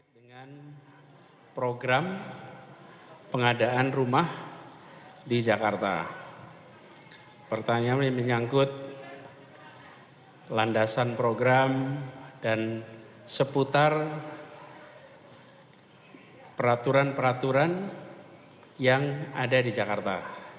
dengan program pengadaan rumah di jakarta pertanyaan ini menyangkut landasan program dan seputar peraturan peraturan yang ada di jakarta